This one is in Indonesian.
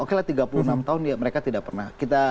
oke lah tiga puluh enam tahun mereka tidak pernah